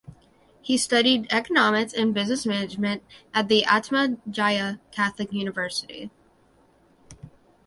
He studied economics and business management at the Atma Jaya Catholic University.